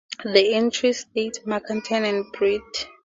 The entry states Makaton, n. Brit.